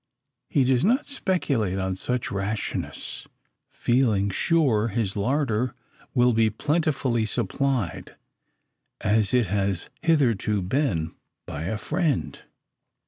He does not speculate on such rashness, feeling sure his larder will be plentifully supplied, as it has hitherto been by a friend.